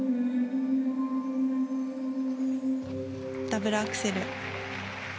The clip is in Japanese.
ダブルアクセル。